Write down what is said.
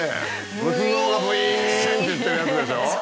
仏像がブイン！っていってるやつでしょ。